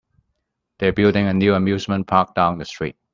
They're building a new amusement park down the street.